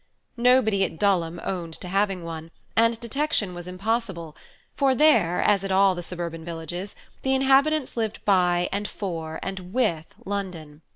Nobody at Dulham owned to having one, and detection was impossible, for there, as at all the suburban villages, the inhabitants lived by, and for, and with London.